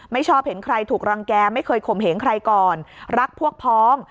ชอบเห็นใครถูกรังแก่ไม่เคยข่มเหงใครก่อนรักพวกพ้อง